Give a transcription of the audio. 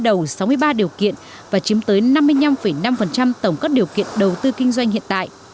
bộ công thương đã cắt giảm đầu sáu mươi ba điều kiện và chiếm tới năm mươi năm năm tổng cất điều kiện đầu tư kinh doanh hiện tại